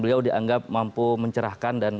beliau dianggap mampu mencerahkan dan